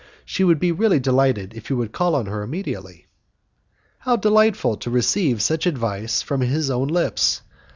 She would be really delighted if you called on her immediately." How delightful to receive such advice from his own lips!